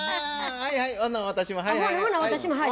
はいはい！